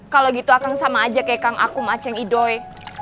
kalau gitu akan sama aja kayak kang aku maceng idoy